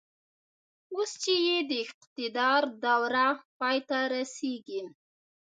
اوس چې يې د اقتدار دوره پای ته رسېږي.